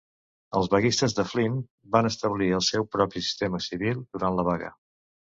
Els vaguistes de Flint van establir el seu propi sistema civil durant la vaga.